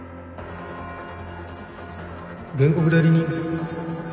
原告代理人？